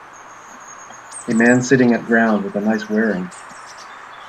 a man sitting at ground with a nice wearing